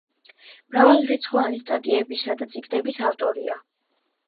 მრავალრიცხოვანი სტატიებისა და წიგნების ავტორია.